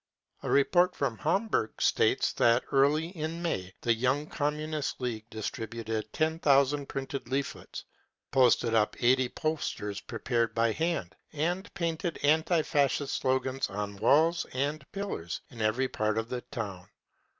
* A report from Hamburg states that early in May the Young Communist League distributed 10,000 printed leaflets, posted up 80 posters ^prepared by hand, and painted anti Fascist slogans on walls and pillars in every part of the town.